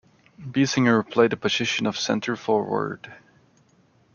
Biesinger played the position of center forward.